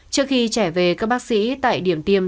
trước khi trẻ về các bác sĩ tại điểm tiêm